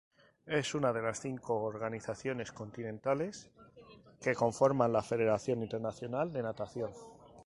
Es una de las cinco organizaciones continentales que conforman la Federación Internacional de Natación.